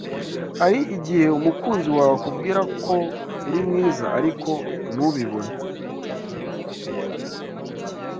Hari igihe umukunzi wawe akubwirako uri mwiza arko ntubibone